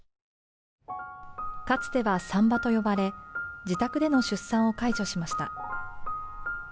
かつては産婆と呼ばれ自宅での出産を介助しました。